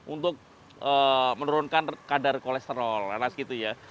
untuk menurunkan kadar kolesterol anas gitu ya